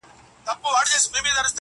بو ډا تللی دی پر لار د پخوانیو؛